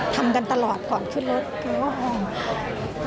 ทำกันตลอดหอมขึ้นรถเขาก็หอม